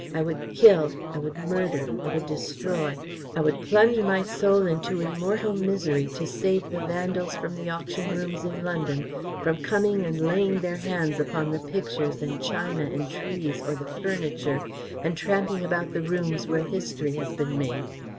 I would kill, I would murder, I would destroy, I would plunge my soul into immortal misery to save the vandals from the auction rooms in London from coming and laying their hands upon the pictures and china and trees, or the furniture, and tramping about the rooms where history has been made.